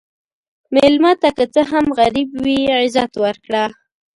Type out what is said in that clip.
مېلمه ته که څه هم غریب وي، عزت ورکړه.